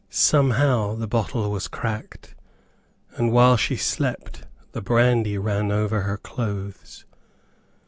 Somehow the bottle was cracked, and while she slept, the brandy ran over her clothes.